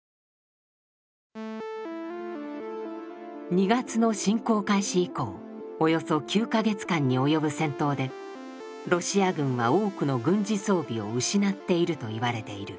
２月の侵攻開始以降およそ９か月間に及ぶ戦闘でロシア軍は多くの軍事装備を失っているといわれている。